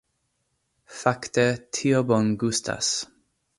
Fakte, tio bongustas